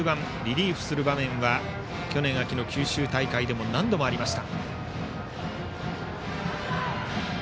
終盤、リリーフする場面は去年秋の九州大会でも何度もありました。